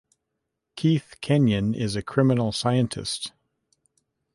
Keith Kenyon is a criminal scientist.